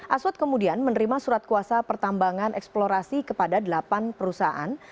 aswad kemudian menerima surat kuasa pertambangan eksplorasi kepada delapan perusahaan